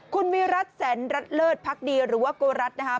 คุณวิรัติแสนรัดเลิศพักดีหรือว่ากลุรัตินะฮะ